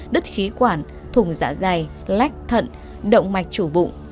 đứt khí quản thủng dạ dày lách thận động mạch chủ bụng